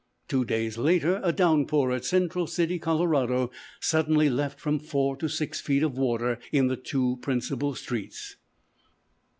Two days later a downpour at Central City, Colorado, suddenly left from four to six feet of water in the two principal streets.